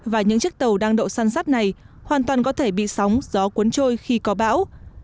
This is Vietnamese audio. và những chiếc tàu đang đậu săn sắt này hoàn toàn có thể bị sóng gió cuốn trôi khi có bão